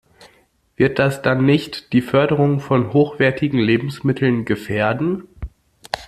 Wird das dann nicht die Förderung von hochwertigen Lebensmitteln gefährden?